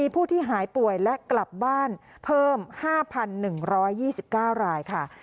ผู้ที่หายป่วยและกลับบ้านเพิ่ม๕๑๒๙รายค่ะ